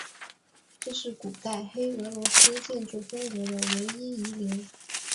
这是古代黑俄罗斯建筑风格的唯一遗留。